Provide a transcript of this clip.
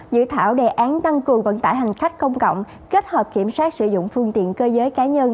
dự thảo đề án tăng cường vận tải hành khách công cộng kết hợp kiểm soát sử dụng phương tiện cơ giới cá nhân